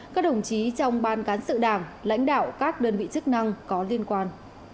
các đồng chí trong ban cán sự đảng lãnh đạo các đơn vị chức năng có liên quan